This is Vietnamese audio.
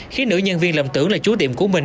khiến nữ nhân viên lầm tưởng là chú tiệm của mình